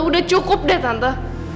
udah cukup dah tante